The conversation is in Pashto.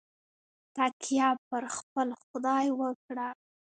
تکیه پر خپل خدای وکړه.